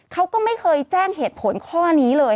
เขาก็ไม่เคยแจ้งเหตุผลข้อนี้เลย